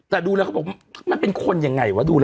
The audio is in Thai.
แต่ดูแล้วเขาบอกมันเป็นคนยังไงวะดูแล้ว